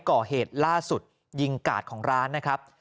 ก่อเหตุล่าสุดยิงกาดของร้านนะครับ